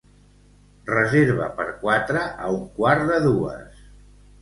Reserva per quatre a un quart de dues.